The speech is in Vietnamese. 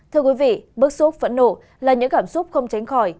thưa quý vị bức xúc phẫn nộ là những cảm xúc không tránh khỏi